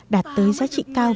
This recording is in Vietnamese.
đạt tới giá trị cao